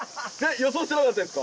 予想してなかったですか？